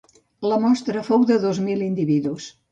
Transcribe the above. La mostra fou de dos mil individus.